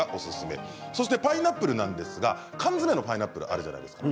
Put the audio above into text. パイナップルなんですが缶詰のパイナップルあるじゃないですか